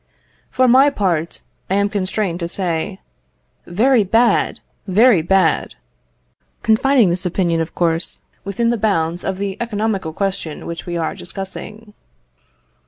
For my part I am constrained to say, "Very bad! very bad!" confining this opinion, of course, within the bounds of the economical question which we are discussing.